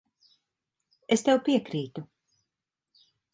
Es tev piekrītu.